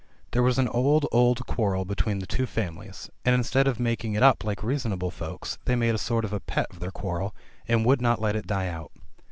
There was an old, old quarrel between the two families, and instead of making it up like reasonable folks, they made a sort of a pet of their quarrel, and would not let it die out.